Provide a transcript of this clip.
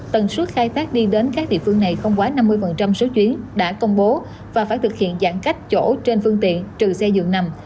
tần suất khai thác đi đến các địa phương này không quá năm mươi số chuyến đã công bố và phải thực hiện giãn cách chỗ trên phương tiện trừ xe dường nằm